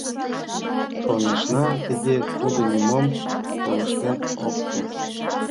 Шонышна, тыге тудо нимом шолыштын ок керт.